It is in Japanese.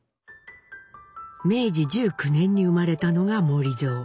明治１９年に生まれたのが守造。